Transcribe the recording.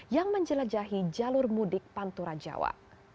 yang menjelajahi jalur mudik pantura jawa